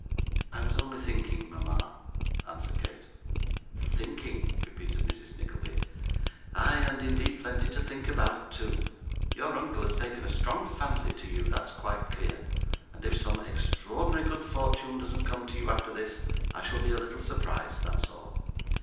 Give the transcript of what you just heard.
'I was only thinking, mama,' answered Kate. 'Thinking!' repeated Mrs. Nickleby. 'Ay, and indeed plenty to think about, too. Your uncle has taken a strong fancy to you, that's quite clear; and if some extraordinary good fortune doesn't come to you, after this, I shall be a little surprised, that's all.